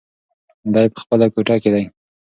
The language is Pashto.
دی په خپله کوټه کې دی.